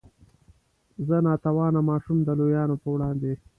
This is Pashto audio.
زه نا توانه ماشوم د لویانو په وړاندې.